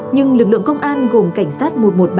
nhưng lực lượng công an gồm cảnh sát một trăm một mươi ba